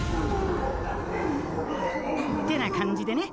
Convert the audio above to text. てな感じでね。